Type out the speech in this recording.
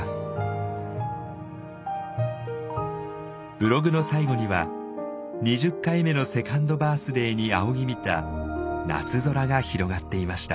ブログの最後には２０回目のセカンドバースデーに仰ぎ見た夏空が広がっていました。